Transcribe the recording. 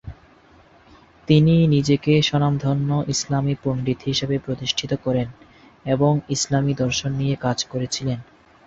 তিনি নিজেকে স্বনামধন্য ইসলামী পণ্ডিত হিসেবে প্রতিষ্ঠিত করেন এবং ইসলামী দর্শন নিয়ে কাজ করেছিলেন।